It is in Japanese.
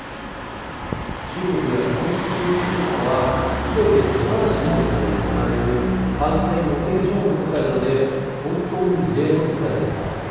中国ではこうした政治イベントは、すべて根回しのうえで行われる完全予定調和の世界なので、本当に異例の事態でした。